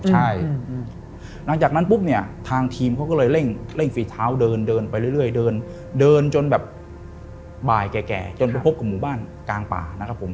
ใช่หลังจากนั้นปุ๊บเนี่ยทางทีมเขาก็เลยเร่งฝีเท้าเดินเดินไปเรื่อยเดินเดินจนแบบบ่ายแก่จนไปพบกับหมู่บ้านกลางป่านะครับผม